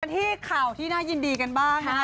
ที่ข่าวที่น่ายินดีกันบ้างนะคะ